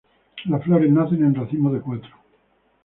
Las flores nacen en racimos de cuatro.